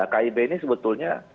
kib ini sebetulnya